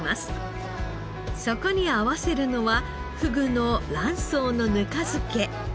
そこに合わせるのはふぐの卵巣の糠漬け。